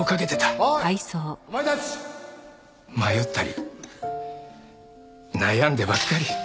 迷ったり悩んでばっかり。